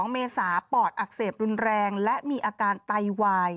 เมษาปอดอักเสบรุนแรงและมีอาการไตวาย